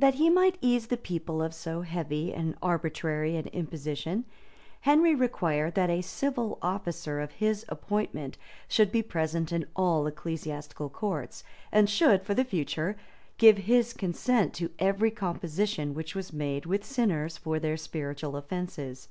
That he might ease the people of so heavy and arbitrary an imposition, Henry required that a civil officer of his appointment should be present in all ecclesiastical courts, and should, for the future, give his consent to every composition which was made with sinners for their spiritual offences.